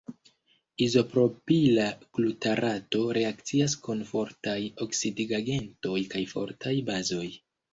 Izopropila glutarato reakcias kun fortaj oksidigagentoj kaj fortaj bazoj.